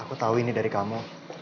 aku tahu ini dari kamu